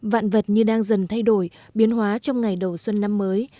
vạn vật như đang dần thay đổi biến hóa trong ngày đầu xuân năm mới